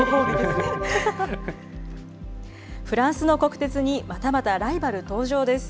フランスの国鉄にまたまたライバル登場です。